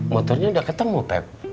motornya udah ketemu pep